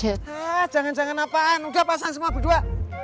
hah jangan jangan apaan udah pasang semua berdua